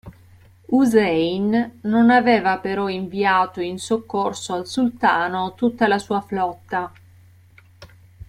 Husayn non aveva però inviato in soccorso al sultano tutta la sua flotta.